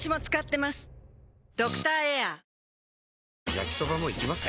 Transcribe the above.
焼きソバもいきます？